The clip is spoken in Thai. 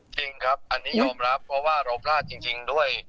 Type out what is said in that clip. จริงครับอันนี้ยอมรับเพราะว่าเราพลาดจริงด้วย